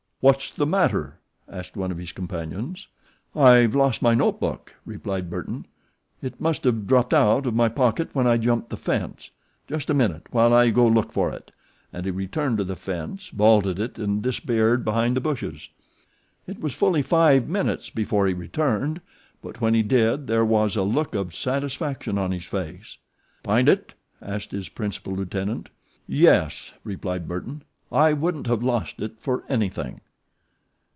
"What's the matter?" asked one of his companions. "I've lost my note book," replied Burton; "it must have dropped out of my pocket when I jumped the fence. Just wait a minute while I go look for it," and he returned to the fence, vaulted it and disappeared behind the bushes. It was fully five minutes before he returned but when he did there was a look of satisfaction on his face. "Find it?" asked his principal lieutenant. "Yep," replied Burton. "I wouldn't have lost it for anything."